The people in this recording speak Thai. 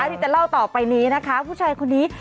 ที่จะเล่าต่อไปนี้นะคะผู้ชายคนนี้